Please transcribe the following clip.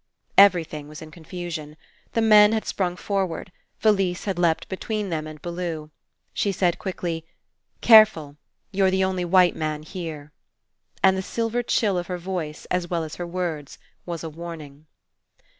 Everything was in confusion. The men had sprung forward. Felise had leapt between them and Bellew. She said quickly: "Careful. You're the only white man here." And the silver chill of her voice, as well as her words, was a warn ing.